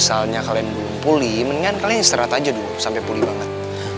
misalnya kalian belum pulih mendingan kalian istirahat aja dulu sampai pulih banget